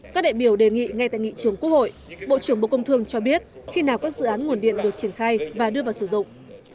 các đại biểu đề nghị ngay tại nghị trường quốc hội bộ trưởng bộ công thương cho biết khi nào các dự án nguồn điện được triển khai và đưa vào sử dụng